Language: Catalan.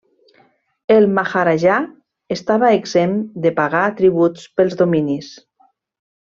El maharajà estava exempt de pagar tribut pels dominis.